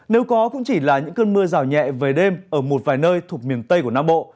nếu có cũng chỉ là những cơn mưa rào nhẹ về đêm ở một vài nơi thuộc miền tây của nam bộ